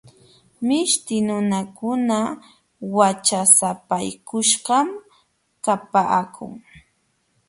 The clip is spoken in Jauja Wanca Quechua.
Mishti nunakuna wachasapaykuśhqam kapaakun.